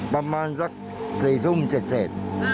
ประมาณสักสี่ทุ่มเศียร์เศษ